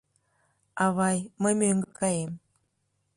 — Авай, мый мӧҥгӧ каем.